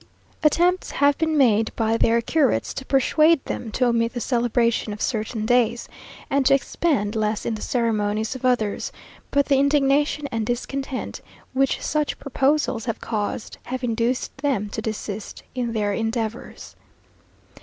Attempts have been made by their curates to persuade them to omit the celebration of certain days, and to expend less in the ceremonies of others, but the indignation and discontent which such proposals have caused, have induced them to desist in their endeavours.